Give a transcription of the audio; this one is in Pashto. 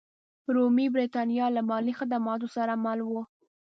رومي برېټانیا له مالي خدماتو سره مل وه.